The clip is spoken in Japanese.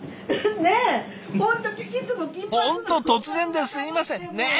本当突然ですいませんねぇ？